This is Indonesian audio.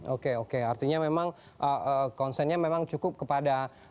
oke oke artinya memang konsennya memang cukup kepada